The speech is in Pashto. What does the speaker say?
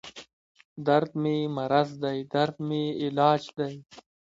دردمې مرض دی دردمې علاج دی